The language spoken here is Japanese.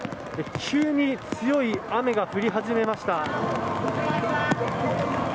急に強い雨が降り始めました。